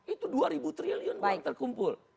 itu dua ribu triliun uang terkumpul